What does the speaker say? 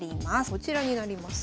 こちらになります。